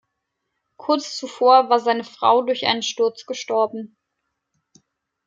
Kurz zuvor war seine Frau durch einen Sturz gestorben.